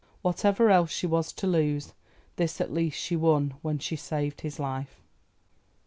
Whatever else she was to lose, this at least she won when she saved his life.